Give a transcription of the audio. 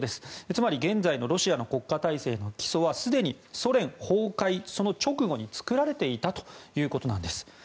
つまり、現在のロシアの国会体制の基礎はすでにソ連崩壊のその直後に作られていたということなんです。